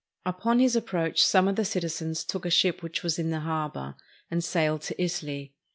Upon his approach some of the citizens took a ship which was in the harbor, and sailed to Italy.